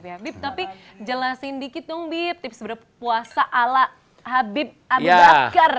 habib tapi jelasin dikit dong bip tips berpuasa ala habib abu bakar